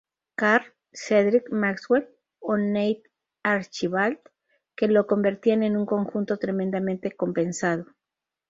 Carr, Cedric Maxwell o Nate Archibald, que lo convertían en un conjunto tremendamente compensado.